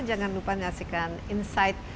jangan lupa menyaksikan insight